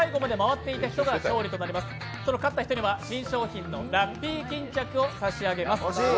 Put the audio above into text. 買った人には新商品のラッピー巾着を差し上げます。